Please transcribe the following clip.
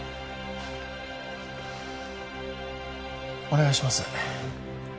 お願いします。